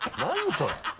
それ。